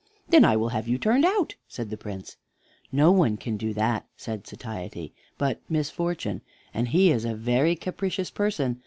"Then I will have you turned out," said the Prince. "No one can do that," said Satiety, "but Misfortune, and he is a very capricious person.